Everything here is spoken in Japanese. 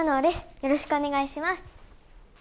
よろしくお願いします。